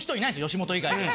吉本以外には。